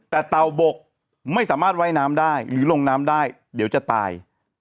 แต่เต่าบกไม่สามารถว่ายน้ำได้หรือลงน้ำได้เดี๋ยวจะตาย